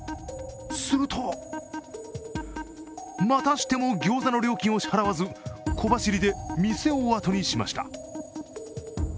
するとまたしても、餃子の料金を支払わず、小走りで店をあとにしました。